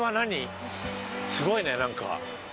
すごいねなんか。